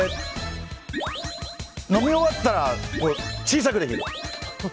飲み終わったら小さくできる。